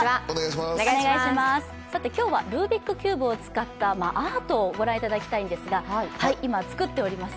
今日はルービックキューブを使ったアートをご覧いただきたいんですが、今、作っております。